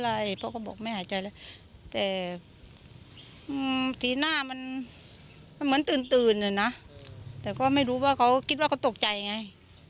อะไรเพราะเขาบอกไม่หายใจแล้วแต่สีหน้ามันเหมือนตื่นตื่นนะแต่ก็ไม่รู้ว่าเขาคิดว่าเขาตกใจไง